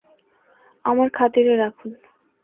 আমার খাতিরে রাখুন।